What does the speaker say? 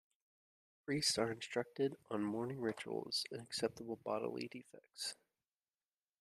Priests are instructed on mourning rituals and acceptable bodily defects.